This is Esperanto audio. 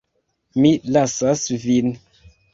Mi lasas vin.